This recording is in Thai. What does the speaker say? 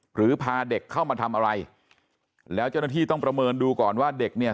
พาเด็กเข้ามาทำอะไรแล้วเจ้าหน้าที่ต้องประเมินดูก่อนว่าเด็กเนี่ย